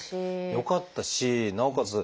よかったしなおかつ